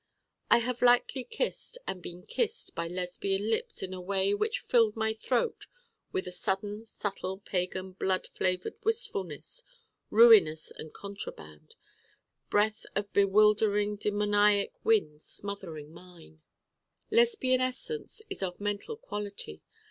I have lightly kissed and been kissed by Lesbian lips in a way which filled my throat with a sudden subtle pagan blood flavored wistfulness, ruinous and contraband: breath of bewildering demoniac winds smothering mine. Lesbian essence is of mental quality.